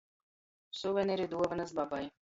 Suveniri, duovonys babai.